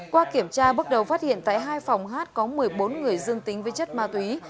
qua kiểm tra bước đầu phát hiện tại hai phòng hát có một mươi bốn người dương tính với chất ma túy